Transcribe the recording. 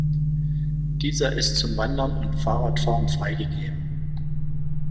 Dieser ist zum Wandern und Fahrradfahren freigegeben.